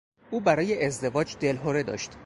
او برای ازدواج دلهره داشت.